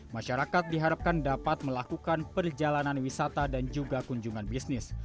masyarakat diharapkan dapat melakukan perjalanan wisata dan juga kunjungan bisnis